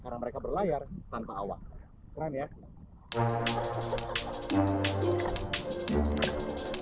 karena mereka berlayar tanpa awa